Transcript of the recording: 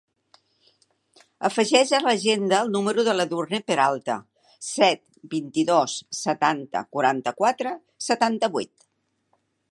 Afegeix a l'agenda el número de l'Edurne Peralta: set, vint-i-dos, setanta, quaranta-quatre, setanta-vuit.